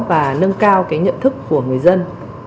và nâng cao nhận thông tin của các nạn nhân